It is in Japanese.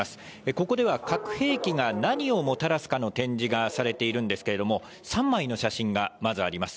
ここでは核兵器が何をもたらすかの展示がされているんですけれども、３枚の写真がまずあります。